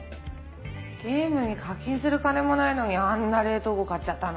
ゲームに課金する金もないのにあんな冷凍庫買っちゃったの？